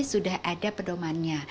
sudah ada pedoman nya